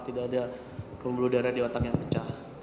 tidak ada pembuluh darah di otak yang pecah